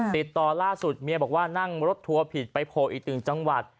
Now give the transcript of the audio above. ติดต่อล่าสุดเมียบอกว่านั่งรถทัวร์ผิดไปโผล่อีกหนึ่งจังหวัด